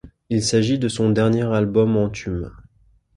Il s'agit de son dernier album anthume.